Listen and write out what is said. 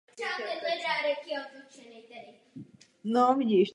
Skloňování probíhá hlavně pomocí členu.